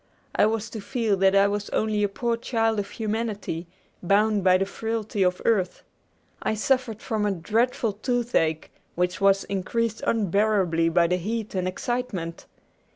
I was to feel that I was only a poor child of humanity, bound by the frailty of earth. I suffered from a dreadful toothache, which was increased unbearably by the heat and excitement.